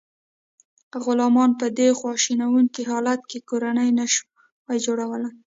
غلامانو په دې خواشینونکي حالت کې کورنۍ نشوای جوړولی.